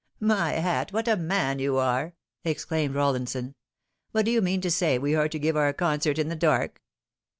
" My hat, what a man you are 1" exclaimed Hollinsou. " But do you mean to say we are to give our concert in the dark